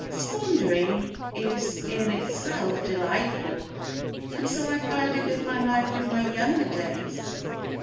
Squandering is in itself delightful, and so I found it with my life in my younger days.